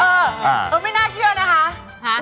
เออไม่น่าเชื่อนะคะ